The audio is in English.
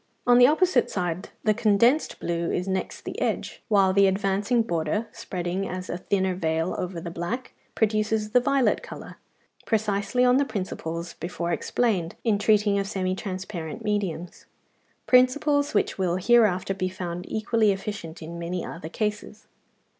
On the opposite side the condensed blue is next the edge, while the advancing border, spreading as a thinner veil over the black, produces the violet colour, precisely on the principles before explained in treating of semi transparent mediums, principles which will hereafter be found equally efficient in many other cases.